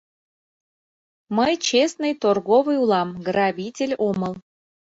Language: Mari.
Мый честный торговый улам, грабитель омыл...